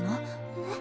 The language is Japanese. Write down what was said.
えっ？